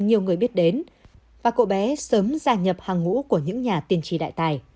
nhiều người biết đến và cậu bé sớm gia nhập hàng ngũ của những nhà tiên tri đại tài